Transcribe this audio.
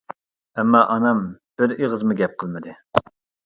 ئەمما ئانام بىر ئېغىزمۇ گەپ قىلمىدى.